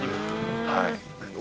はい。